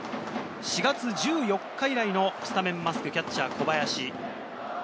４月１４日以来のスタメンマスク、キャッチャー・小林。